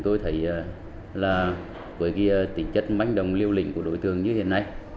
thì là với cái tính chất mách đồng liêu lĩnh của đối tượng như hiện nay